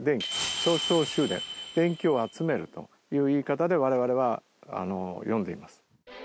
電気を集めるという言い方で我々は呼んでいます。